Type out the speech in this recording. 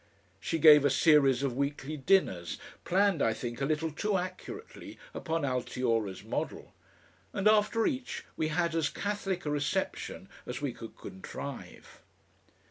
She gave a series of weekly dinners, planned, I think, a little too accurately upon Altiora's model, and after each we had as catholic a reception as we could contrive.